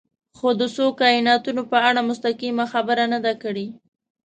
خو د څو کایناتونو په اړه مستقیمه خبره نه ده کړې.